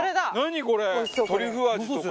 トリュフ味とか。